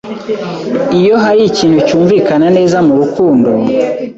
Iyo hari ikintu cyunvikana neza murukundo